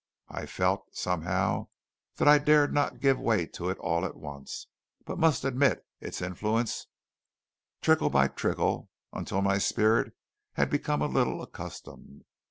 I felt, somehow, that I dared not give way to it all at once, but must admit its influence trickle by trickle until my spirit had become a little accustomed.